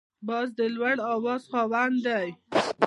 باز د لوړ اواز خاوند دی